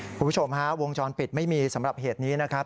คุณผู้ชมฮะวงจรปิดไม่มีสำหรับเหตุนี้นะครับ